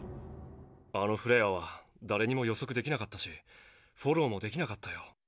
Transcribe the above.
あのフレアはだれにも予測できなかったしフォローもできなかったよ。